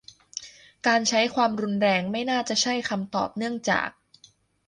การใช้ความรุนแรงไม่น่าจะใช่คำตอบ เนื่องจาก